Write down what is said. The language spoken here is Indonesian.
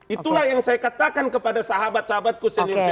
itulah yang saya katakan kepada sahabat sahabatku senior saya